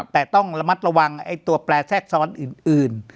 แต่ต้องระมัดระวังตัวแปลแทรกซ้อนอื่น